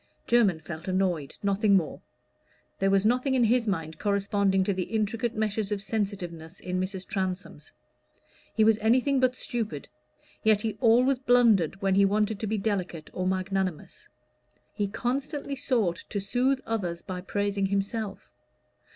Jermyn felt annoyed nothing more. There was nothing in his mind corresponding to the intricate meshes of sensitiveness in Mrs. Transome's. He was anything but stupid; yet he always blundered when he wanted to be delicate or magnanimous; he constantly sought to soothe others by praising himself.